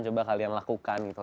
coba kalian lakukan gitu